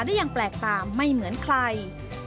ได้ยังแปลกตาไม่เหมือนใคร